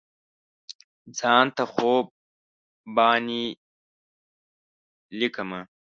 ځان ته خوب باندې لیکمه